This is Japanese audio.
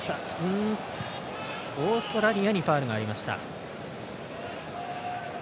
オーストラリアにファウルがありました。